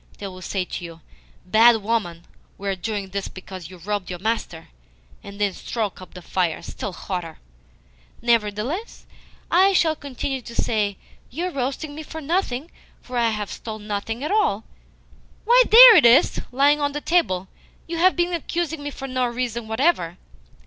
They will say to you, 'Bad woman, we are doing this because you robbed your master,' and then stoke up the fire still hotter." "Nevertheless I shall continue to say, 'You are roasting me for nothing, for I never stole anything at all.' Why, THERE it is, lying on the table! You have been accusing me for no reason whatever!"